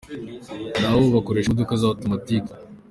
Nabo ubu bakoresha imodoka za automatic.